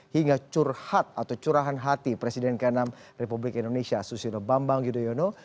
hingga curhat atau curahan hati presiden ke enam republik indonesia susilo bambang yudhoyono